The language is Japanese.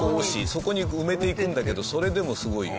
そこに埋めていくんだけどそれでもすごいよ。